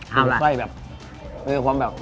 คลุปไส้แบบหรือคนแบบ